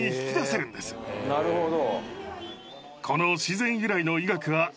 なるほど。